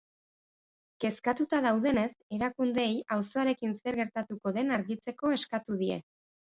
Kezkatuta daudenez, erakundeei auzoarekin zer gertatuko den argitzeko eskatu die.